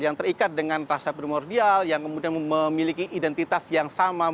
yang terikat dengan rasa primordial yang kemudian memiliki identitas yang sama